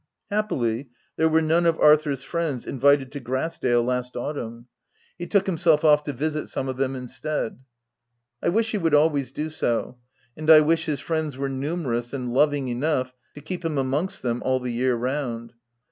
Happily, there were none of Arthur's u friends " invited to Grass dale last autumn : OP WILDFELL HALL. 345 he took himself off to visit some of them in stead. I wish he would always do so, and I wish his friends were numerous and loving enough to keep him amongst them all the year round.